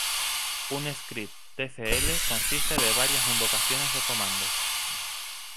Un script Tcl consiste de varias invocaciones de comandos.